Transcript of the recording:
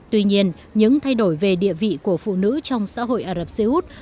tuy nhiên những thay đổi về địa vị của phụ nữ trong xã hội ả rập xê út